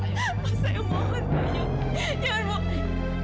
pak saya mohon pak jangan jangan bawa aida